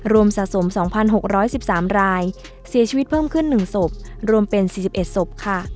สะสม๒๖๑๓รายเสียชีวิตเพิ่มขึ้น๑ศพรวมเป็น๔๑ศพค่ะ